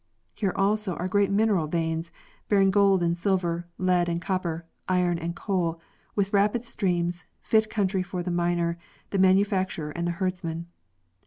Here also are great mineral veins, bearing gold and silver, lead and copper, iron and coal, with rapid streams, fit country for the miner, the manufacturer, and the herdsman.